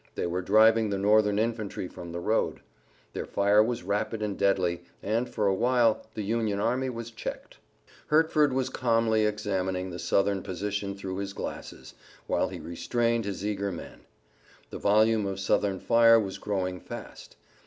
They were driving the Northern infantry from the road. Their fire was rapid and deadly, and, for a while, the Union army was checked. Hertford was calmly examining the Southern position through his glasses, while he restrained his eager men. The volume of Southern fire was growing fast.